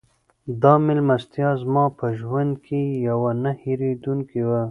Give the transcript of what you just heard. دا مېلمستیا زما په ژوند کې یوه نه هېرېدونکې وه.